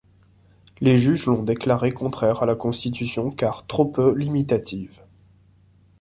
Les juges l'ont déclarée contraire à la Constitution car trop peu limitative.